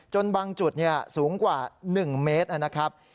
บางจุดสูงกว่า๑เมตรนะครับ